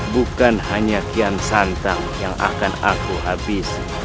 bukan hanya kian santam yang akan aku habisi